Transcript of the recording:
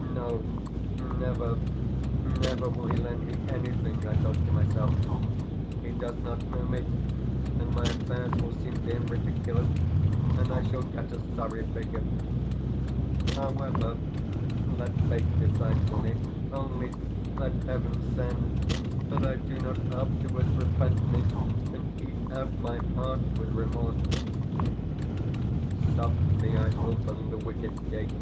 "No, never, never will he lend me anything!" I thought to myself, "He does not know me, and my affairs will seem to him ridiculous, and I shall cut a sorry figure. However, let fate decide for me. Only, let Heaven send that I do not afterwards repent me, and eat out my heart with remorse!" Softly I opened the wicket gate.